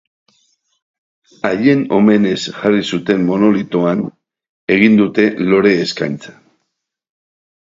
Haien omenez jarri zuten monolitoan egin dute lore-eskaintza.